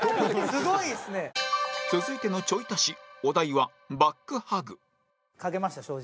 続いてのちょい足しお題は「バックハグ」描けました正直。